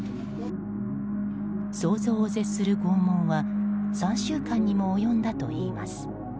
想像を絶する拷問は３週間にも及んだといいます。